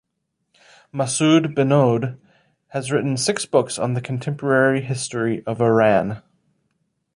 Masoud Behnoud has written six books on the contemporary history of Iran.